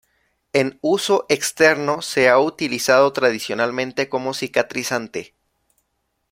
En uso externo se ha utilizado tradicionalmente como cicatrizante.